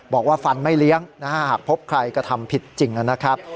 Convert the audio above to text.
บอกว่าฟันไม่เลี้ยงนะฮะหากพบใครกระทำผิดจริงนะครับ